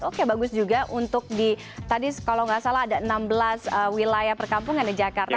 oke bagus juga untuk di tadi kalau nggak salah ada enam belas wilayah perkampungan di jakarta